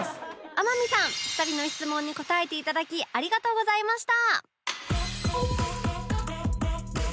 天海さん２人の質問に答えていただきありがとうございました！